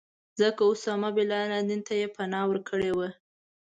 ځکه اسامه بن لادن ته یې پناه ورکړې وه.